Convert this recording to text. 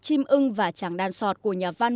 chim ưng và chàng đan sọt của nhà văn